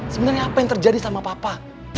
sebenarnya apa yang terjadi sama papa